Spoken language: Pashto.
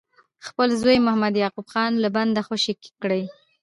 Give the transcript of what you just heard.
خپل زوی محمد یعقوب خان له بنده خوشي کړي.